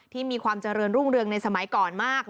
มีความเจริญรุ่งเรืองในสมัยก่อนมาก